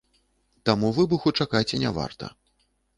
Таму выбуху чакаць не варта.